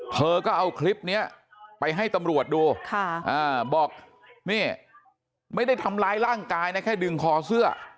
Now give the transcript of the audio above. เธอก็เอาคลิปนี้ไปให้ตำรวจดูบอกนี่ไม่ได้ทำร้ายร่างกายนะแค่ดึงคอเสื้อ